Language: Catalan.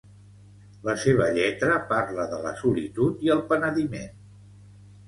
La seva lletra parla de la solitud i el penediment.